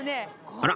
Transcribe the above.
あら？